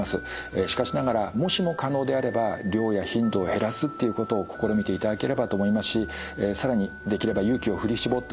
しかしながらもしも可能であれば量や頻度を減らすっていうことを試みていただければと思いますし更にできれば勇気を振り絞ってですね